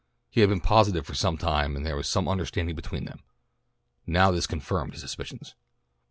He had been positive for some time that there was some understanding between them. Now this confirmed his suspicions.